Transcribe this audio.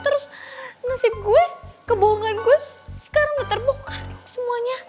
terus nasib gue kebohongan gue sekarang udah terbohongkan semuanya